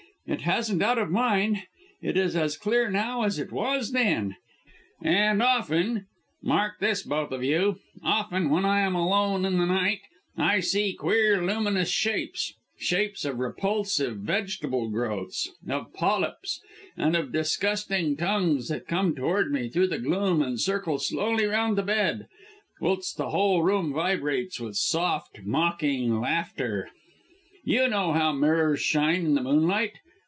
It hasn't out of mine it is as clear now as it was then. And often mark this, both of you often when I am alone in the night, I see queer luminous shapes shapes of repulsive vegetable growths of polyps and of disgusting tongues that come towards me through the gloom and circle slowly round the bed, whilst the whole room vibrates with soft, mocking laughter! You know how mirrors shine in the moonlight.